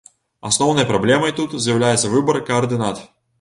Асноўнай праблемай тут з'яўляецца выбар каардынат.